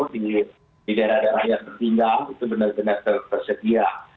di daerah daerah yang tertinggal itu benar benar tersedia